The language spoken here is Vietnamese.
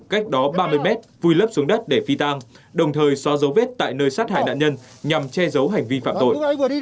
cách đó ba mươi mét vui lấp xuống đất để phi tang đồng thời xóa dấu vết tại nơi sát hại nạn nhân nhằm che giấu hành vi phạm tội